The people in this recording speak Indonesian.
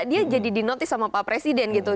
dia jadi di notice sama pak presiden gitu